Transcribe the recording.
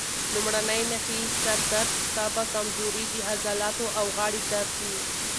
لومړنۍ نښې یې سر درد، تبه، کمزوري، د عضلاتو او غاړې درد دي.